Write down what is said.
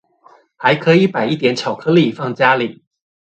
還可以擺一點巧克力放家裡